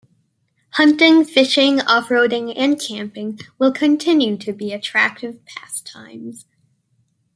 Hunting, fishing, off-roading, and camping will continue to be attractive pastimes.